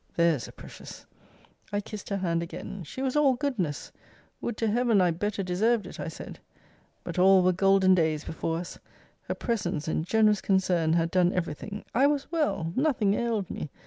There's a precious! I kissed her hand again! She was all goodness! Would to Heaven I better deserved it, I said! But all were golden days before us! Her presence and generous concern had done every thing. I was well! Nothing ailed me.